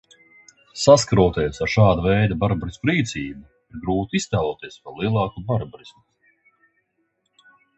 Saskaroties ar šāda veida barbarisku rīcību, ir grūti iztēloties vēl lielāku barbarismu.